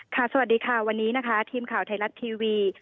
สวัสดีค่ะวันนี้นะคะทีมข่าวไทยรัฐทีวี